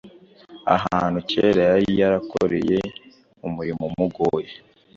ahantu kera yari yarakoreye umurimo umugoye,